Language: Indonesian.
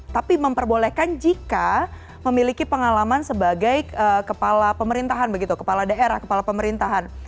tapi memperbolehkan jika memiliki pengalaman sebagai kepala pemerintahan begitu kepala daerah kepala pemerintahan